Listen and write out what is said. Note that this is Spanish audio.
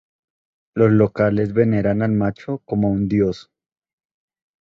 Los locales veneran al Macho como a un dios.